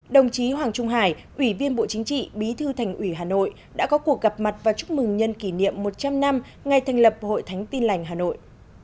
đồng chí hoàng trung hải ủy viên bộ chính trị bí thư thành ủy hà nội đã có cuộc gặp mặt và chúc mừng nhân kỷ niệm một trăm linh năm ngày thành lập hội thánh tin lành hà nội